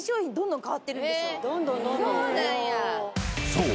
［そう。